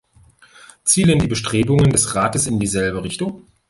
Zielen die Bestrebungen des Rates in dieselbe Richtung?